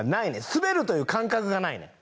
スベるという感覚がないねん。